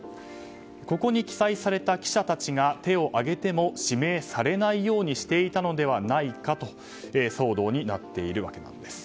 ここに記載された記者たちが手を挙げても指名されないようにしていたのではないかと騒動になっているわけです。